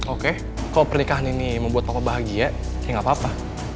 oke kalau pernikahan ini membuat papa bahagia ya gak apa apa